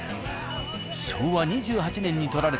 昭和２８年に撮られた